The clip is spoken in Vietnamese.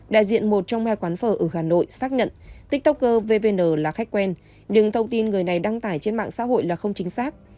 đại diện một trong hai quán phở ở hà nội xác nhận tiktokervn là khách quen nhưng thông tin người này đăng tải trên mạng xã hội là không chính xác